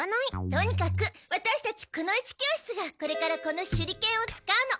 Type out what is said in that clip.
とにかくワタシたちくの一教室がこれからこの手裏剣を使うの。